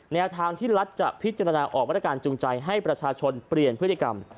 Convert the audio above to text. แนวทางที่รัฐจะพิจารณาออกมาตรการจูงใจให้ประชาชนเปลี่ยนพฤติกรรม